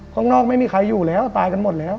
ข้างนอกไม่มีใครอยู่แล้วตายกันหมดแล้ว